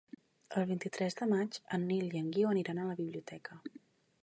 El vint-i-tres de maig en Nil i en Guiu aniran a la biblioteca.